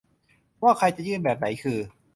ว่าใครจะยื่นแบบไหนคือ